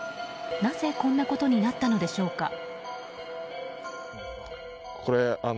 なぜこんなことになったのでしょうか。